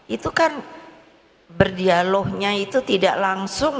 itu kan berdialognya itu tidak langsung